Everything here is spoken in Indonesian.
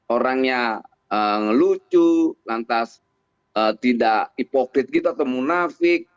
orangnya lucu lantas tidak hipoktif gitu atau munafik